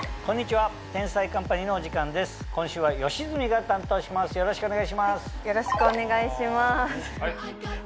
はい。